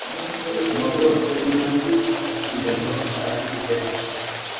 amakuba atagira ingano aranyugarije